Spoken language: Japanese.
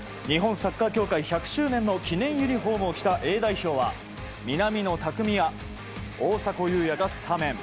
サッカー協会１００周年の記念ユニホームを着たＡ代表は南野拓実や大迫勇也がスタメン。